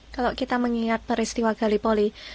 kalau kita mengingat peristiwa galipoli